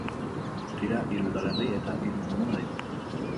Guztira hiru udalerri eta hiru komuna ditu.